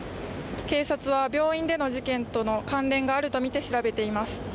警察は病院での事件との関連があるとみて調べています。